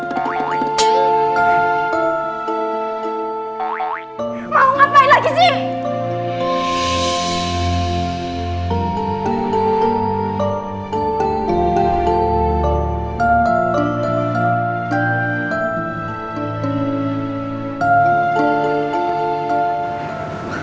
mau ngapain lagi sih